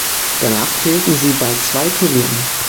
Danach fehlten sie bei zwei Turnieren.